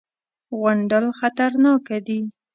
_غونډل خطرناکه دی.